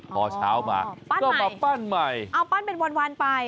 พอเช้ามาปั้นก็มาปั้นใหม่เอาปั้นเป็นวันไป